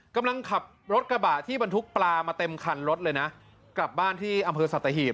กำลังขับรถกระบะที่บรรทุกปลามาเต็มคันรถเลยนะกลับบ้านที่อำเภอสัตหีบ